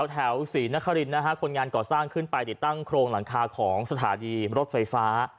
ศรีนครินนะฮะคนงานก่อสร้างขึ้นไปติดตั้งโครงหลังคาของสถานีรถไฟฟ้า